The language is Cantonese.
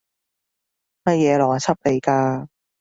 乜嘢邏輯嚟㗎？